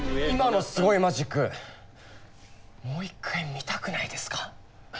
今のすごいマジックもう一回見たくないですか？